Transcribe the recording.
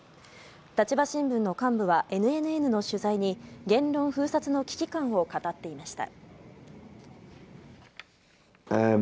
立場新聞の幹部はＮＮＮの取材に、言論封殺の危機感を語っていました。